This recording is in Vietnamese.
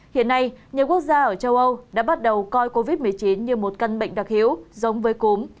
hiện nay nhiều quốc gia ở châu âu đã bắt đầu coi covid một mươi chín như một căn bệnh đặc hiếu giống với cúm